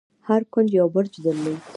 هر کونج يو برج درلود.